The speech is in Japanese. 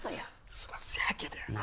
そらそやけどやな。